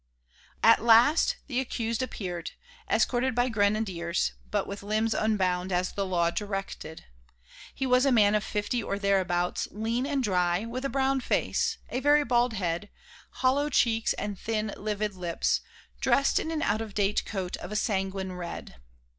At last the accused appeared, escorted by grenadiers, but with limbs unbound, as the law directed. He was a man of fifty or thereabouts, lean and dry, with a brown face, a very bald head, hollow cheeks and thin livid lips, dressed in an out of date coat of a sanguine red.